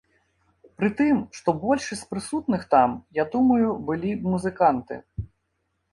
Пры тым, што большасць з прысутных там, я думаю, былі музыканты.